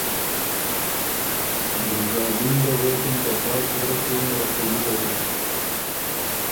ګلزادین ګه غوېکِن که پا توره شیو نره سو ګُده دُش،